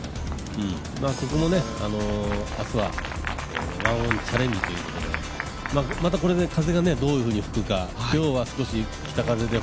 ここも明日は１オンチャレンジということでまたこれで風がどういうふうに吹くか、今日は北風で